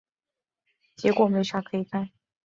结果没啥可以看